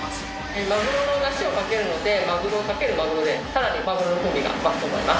マグロのだしを掛けるのでマグロ×マグロでさらにマグロの風味が増すと思います。